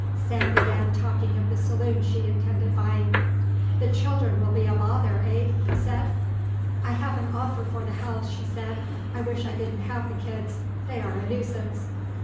Sam began talking of the saloon she intended buying. "The children will be a bother, eh?" he said. "I have an offer for the house," she said. "I wish I didn't have the kids. They are a nuisance."